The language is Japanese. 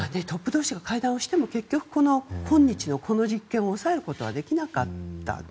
トップ同士が会談しても結局、今日のこの実験を抑えることはできなかった。